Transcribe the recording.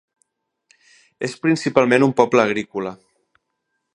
És principalment un poble agrícola.